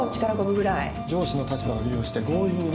上司の立場を利用して強引に飲みに誘った。